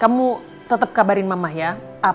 tentu saja ternyata rina selamat ya ma